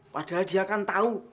padahal dia kan tahu